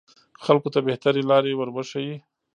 خلکو ته بهترې لارې وروښيي